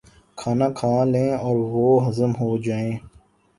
کھانا کھا لیں اور وہ ہضم ہو جائے۔